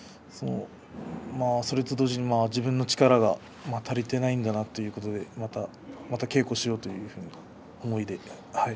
それと同時に自分の力がまだ足りていないんだなということで稽古をしようというふうに思い